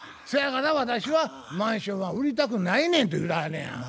そやから私はマンションは売りたくないねんて売らんねや。